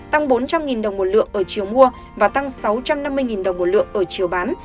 tăng bốn trăm linh đồng một lượng ở chiều mua và tăng sáu trăm năm mươi đồng một lượng ở chiều bán